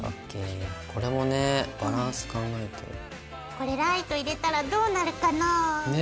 これライト入れたらどうなるかな？ね！